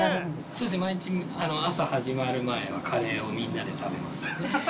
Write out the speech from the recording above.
そうです、毎日、朝始まる前はカレーをみんなで食べます。